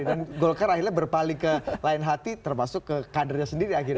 golkar akhirnya berpali ke lain hati termasuk ke kadernya sendiri akhirnya